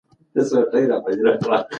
شریف ته د میاشتې په پوره کېدو خوشحالي ورغله.